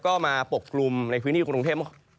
ก็มาปกกลุ่มในพื้นที่กรุงเทพ